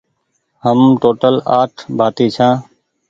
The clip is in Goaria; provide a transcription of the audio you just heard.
هم ٽوٽل آٺ ڀآتي ڇآن